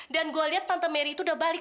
dan gue liat tante mary itu udah balik